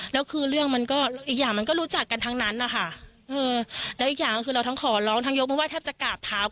แล้วคือเรื่องมันก็อีกอย่างมันก็รู้จักกันทั้งนั้นอ่ะค่ะ